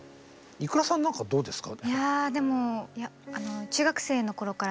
ｉｋｕｒａさんなんかどうですか？